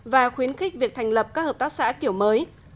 và khuyến khích việc thành lập các hợp tác xã kiểu mới